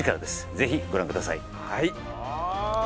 ぜひご覧ください。